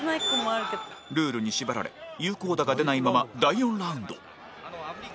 ルールに縛られ有効打が出ないまま第４ラウンド